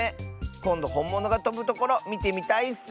こんどほんものがとぶところみてみたいッス。